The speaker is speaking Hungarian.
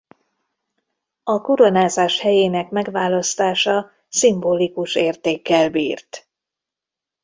A koronázás helyének megválasztása szimbolikus értékkel bírt.